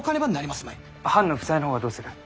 藩の負債の方はどうする？